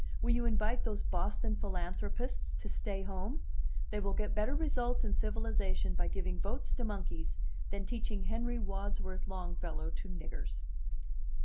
Will you invite those Boston philanthropists to stay home? They will get better results in civilization by giving votes to monkeys than teaching Henry Wadsworth Longfellow to riggers."